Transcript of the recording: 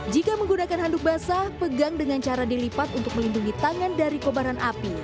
jika menggunakan handuk basah pegang dengan cara dilipat untuk melindungi tangan dari kobaran api